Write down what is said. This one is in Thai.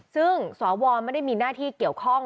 ซึ่งสวไม่ได้มีหน้าที่เกี่ยวข้อง